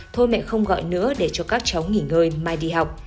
thôi mẹ không gọi nữa để cho các cháu nghỉ ngơi mai đi học